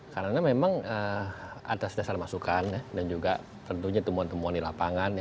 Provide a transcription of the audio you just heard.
karena memang atas dasar masukan dan juga tentunya tumbuhan tumbuhan di lapangan